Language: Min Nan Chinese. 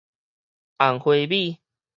紅花米